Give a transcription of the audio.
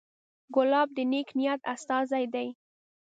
ګلاب د نیک نیت استازی دی.